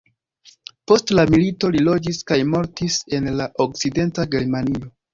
Post la milito li loĝis kaj mortis en la okcidenta Germanio.